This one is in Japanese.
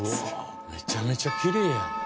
めちゃめちゃきれいやん。